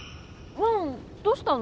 ワンどうしたの？